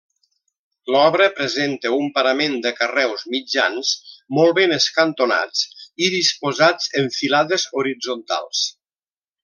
L'obra presenta un parament de carreus mitjans, molt ben escantonats i disposats en filades horitzontals.